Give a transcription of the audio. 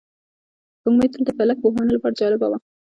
سپوږمۍ تل د فلک پوهانو لپاره جالبه وه